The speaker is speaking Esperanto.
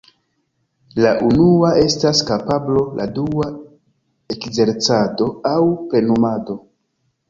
La unua estas kapablo, la dua ekzercado aŭ plenumado.